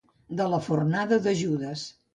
De la fornada de Judes.